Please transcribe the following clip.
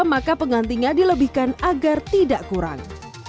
maka pengantinya dilebihkan agar tidak kurang